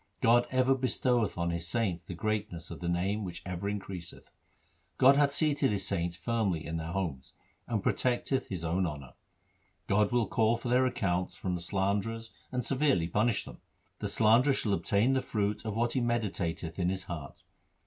God ever bestoweth on His saints the greatness of the Name which ever increaseth. God hath seated His saints firmly in their homes 1 and protecteth His own honour. God will call for their accounts from the slanderers and severely punish them. The slanderer shall obtain the fruit of what he meditateth in his heart.